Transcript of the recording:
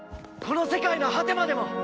この世界の果てまでも！